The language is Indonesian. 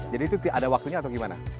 itu ada waktunya atau gimana